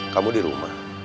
kamu di rumah